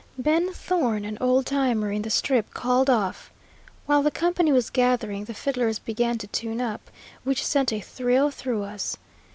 Ben Thorn, an old timer in the Strip, called off. While the company was gathering, the fiddlers began to tune up, which sent a thrill through us.